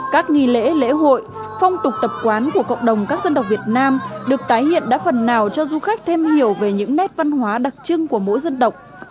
các nghi lễ lễ hội phong tục tập quán của cộng đồng các dân tộc việt nam được tái hiện đã phần nào cho du khách thêm hiểu về những nét văn hóa đặc trưng của mỗi dân tộc